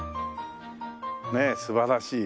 ねえ素晴らしい。